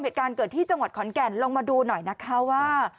เหตุการณ์เกิดที่จังหวัดขอนแก่นลงมาดูหน่อยนะคะว่า